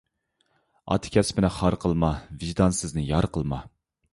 ئاتا كەسپىنى خار قىلما، ۋىجدانسىزنى يار قىلما.